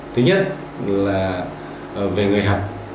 thứ nhất là về người học